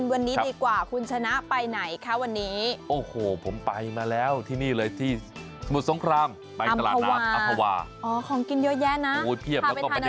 พาไปร้านอาหารร้านนี้บ้านทองโบราณเป็นร้านที่ผมจะแนะนำให้กับคุณพี่ชมที่อยู่นี่